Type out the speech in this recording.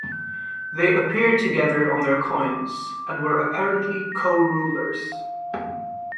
They appear together on their coins, and were apparently co-rulers.